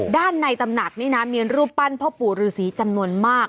ด้านในตำหนักนี่นะมีรูปปั้นพ่อปู่ฤษีจำนวนมาก